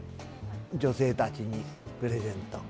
女性たちにプレゼント。